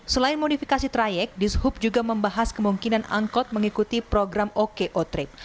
selain modifikasi trayek dishub juga membahas kemungkinan angkut mengikuti program oke otrip